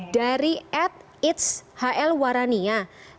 dari at ⁇ its hl warania